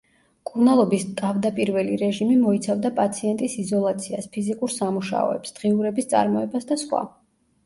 მკურნალობის ტავდაპირველი რეჟიმი მოიცავდა პაციენტის იზოლაციას, ფიზიკურ სამუშაოებს, დღიურების წარმოებას და სხვა.